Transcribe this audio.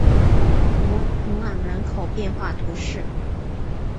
努朗人口变化图示